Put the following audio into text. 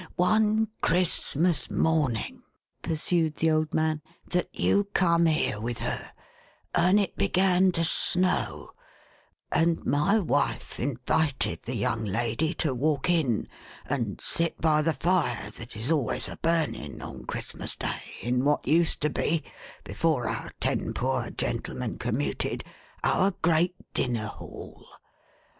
" One Christmas morning," pursued the old man, " that you come here with her— and it began to snow, and my wifc invited the young lady to walk in, and sit by the fire that is always a burning on Christmas Day in what used to be, before our ten poor gentlemen commuted, our great Dinner Hull.